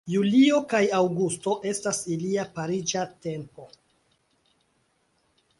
Julio kaj aŭgusto estas ilia pariĝa tempo.